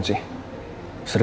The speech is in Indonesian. gue mau minta pendapat